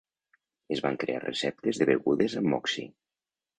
Es van crear receptes de begudes amb Moxie.